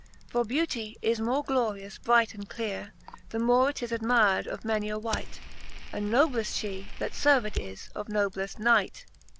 For beautie is more glorious bright and clere,, The more it is admir'd of many a wight, Andnoblefl fhe, that ferved is of noblefl Knight..